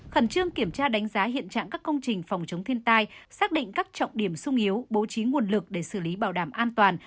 khẩn trương kiểm tra đánh giá hiện trạng các công trình phòng chống thiên tai xác định các trọng điểm sung yếu bố trí nguồn lực để xử lý bảo đảm an toàn